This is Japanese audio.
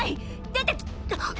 出てきっ！！